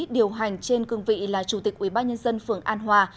điều hành trên cương vị là chủ tịch ubnd phường an hòa